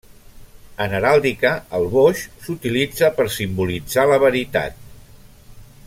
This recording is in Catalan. En heràldica, el boix s'utilitza per simbolitzar la veritat.